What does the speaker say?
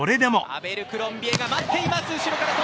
アベルクロンビが待っています。